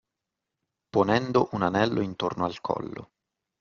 Ponendo un anello intorno al collo.